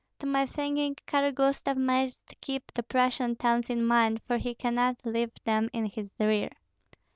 To my thinking Karl Gustav must keep the Prussian towns in mind, for he cannot leave them in his rear.